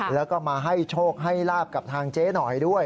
แล้วก็มาให้โชคให้ลาบกับทางเจ๊หน่อยด้วย